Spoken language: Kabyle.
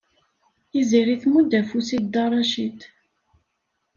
Tiziri tmudd afus i Dda Racid.